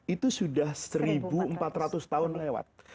itu sudah seribu empat ratus tahun lewat